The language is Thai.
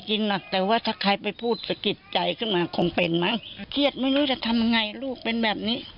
เรื่องของเขานะ